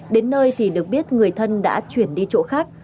đến nơi thì được biết người thân đã chuyển đi chỗ khác